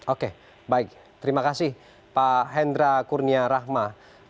oke baik terima kasih pak hendra kurnia rahma